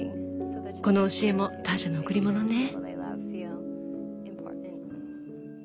この教えもターシャの贈り物ね。